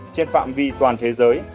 trên phạm vi toàn thế giới